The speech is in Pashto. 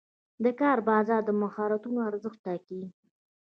د کار بازار د مهارتونو ارزښت ټاکي.